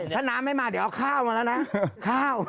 ถ้าน้ำไม่มาเดี๋ยวเอาข้าวมาแล้วนะข้าว